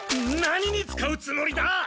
何に使うつもりだ！